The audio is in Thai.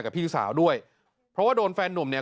เพราะว่าโดนแฟนหนุ่มเนี่ย